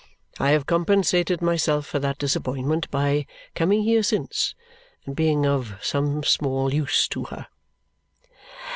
I have compensated myself for that disappointment by coming here since and being of some small use to her."